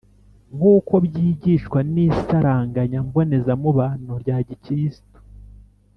nk' uko byigishwa n' isaranganya mbonezamubano rya gikristu